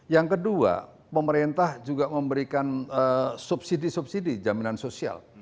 yang kedua pemerintah juga memberikan subsidi subsidi jaminan sosial